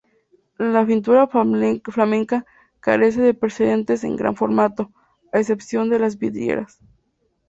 La pintura flamenca carece de precedentes en gran formato, a excepción de las vidrieras.